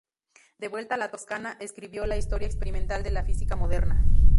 De vuelta a la Toscana, escribió "La historia experimental de la física moderna".